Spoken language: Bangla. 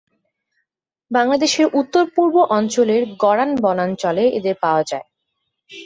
বাংলাদেশের উত্তর-পূর্ব অঞ্চলের গরান বনাঞ্চলে এদের পাওয়া যায়।